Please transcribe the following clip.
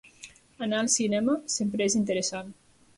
Anar al cinema sempre és interessant.